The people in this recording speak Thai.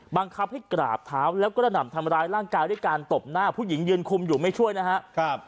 บังคับให้กราบเท้าแล้วก็กระหน่ำทำร้ายร่างกายด้วยการตบหน้าผู้หญิงยืนคุมอยู่ไม่ช่วยนะครับ